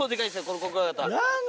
このコクワガタ。